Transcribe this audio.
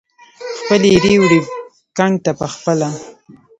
خپلې ایرې وړي ګنګ ته پخپله